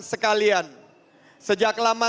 sekalian sejak lama